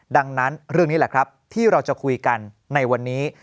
ดังนั้นเรื่องนี้แหละครับที่เราจะคุยกันในวันนี้